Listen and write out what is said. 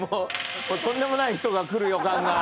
とんでもない人が来る予感が。